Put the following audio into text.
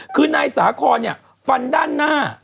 คือนายสาคอนฟันด้านหน้า